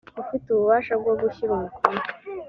ufite ububasha bwo gushyira umukono